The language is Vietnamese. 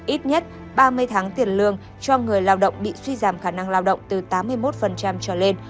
ít nhất ba mươi tháng tiền lương cho người lao động bị suy giảm khả năng lao động từ tám mươi một trở lên